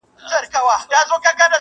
وزیر وویل زما سر ته دي امان وي!